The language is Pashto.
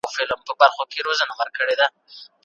د سیاستونو نواقصو ته د تحسين نظر اړینې دي.